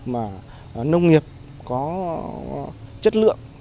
mà nông nghiệp có chất lượng